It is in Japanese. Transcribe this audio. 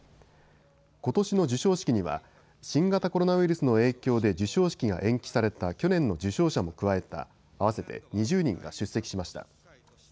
ことしの授賞式には新型コロナウイルスの影響で授賞式が延期された去年の受賞者も加えた合わせて２０人が出席しました。